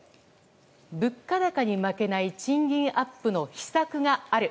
物価高に負けない賃金アップの秘策がある。